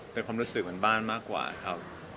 เป็นความรู้สึกเหมือนบ้านมากกว่าครับ